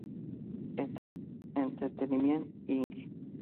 Entertainment Inc.